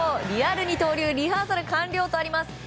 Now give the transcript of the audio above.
リアル二刀流リハーサル完了とあります。